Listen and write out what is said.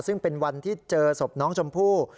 ซึ่งเป็นวันที่เจอศพน้องชมพู่